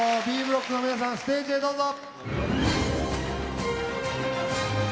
Ｂブロックの皆さんステージへどうぞ。